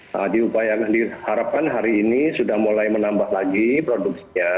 nah diupayakan diharapkan hari ini sudah mulai menambah lagi produksinya